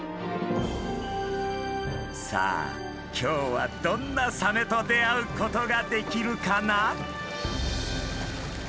さあ今日はどんなサメと出会うことができるかな？